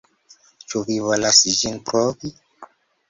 Ĉu vi volas ĝin provi?